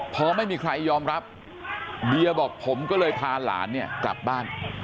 พอไม่มีใครยอมรับเบียบอกผมก็เลยพาหลานเนี่ยกลับบ้าน